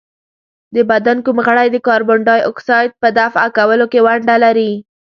د بدن کوم غړی د کاربن ډای اکساید په دفع کولو کې ونډه لري؟